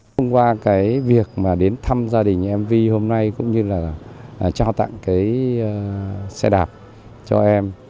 thông qua việc đến thăm gia đình em vi hôm nay cũng như là cho tặng xe đạp cho em